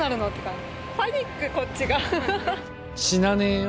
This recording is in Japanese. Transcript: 死なねえよ